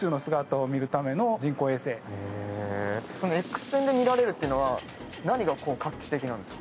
Ｘ線で見られるってのは何が画期的なんですか？